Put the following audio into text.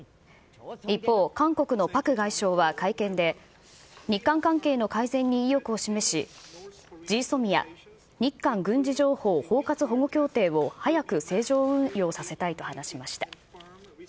一方、韓国のパク外相は会見で、日韓関係の改善に意欲を示し、ＧＳＯＭＩＡ・日韓軍事情報包括保護協定を早く正常運用させたいと話しました。